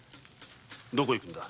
どこへ行くんだ。